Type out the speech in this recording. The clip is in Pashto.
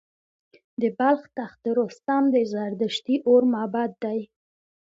د بلخ تخت رستم د زردشتي اور معبد دی